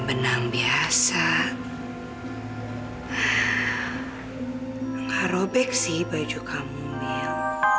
enggak robek sih baju kamu mil